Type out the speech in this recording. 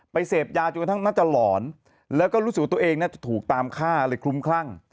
เสพยาจนกระทั่งน่าจะหลอนแล้วก็รู้สึกว่าตัวเองน่าจะถูกตามฆ่าเลยคลุ้มคลั่ง